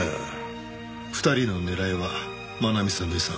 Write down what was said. ２人の狙いは真奈美さんの遺産。